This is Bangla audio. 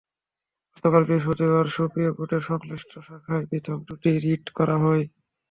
গতকাল বৃহস্পতিবার সুপ্রিম কোর্টের সংশ্লিষ্ট শাখায় পৃথক দুটি রিট করা হয়।